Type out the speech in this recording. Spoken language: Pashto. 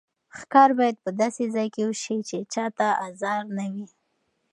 ښکار باید په داسې ځای کې وشي چې چا ته ازار نه وي.